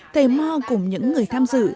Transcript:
thầy mo cùng những người tham dự